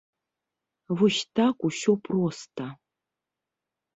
Вось так усё проста.